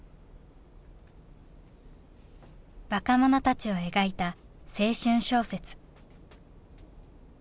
若者たちを描いた青春小説。